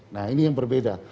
nah ini yang berbeda